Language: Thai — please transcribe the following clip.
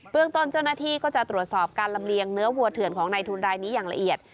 เรื่องต้นเจ้าหน้าที่ก็จะตรวจสอบการลำเลียงเนื้อวัวเถื่อนของในทุนรายนี้อย่างละเอียด